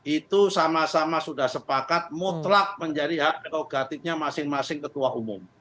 itu sama sama sudah sepakat mutlak menjadi hak prerogatifnya masing masing ketua umum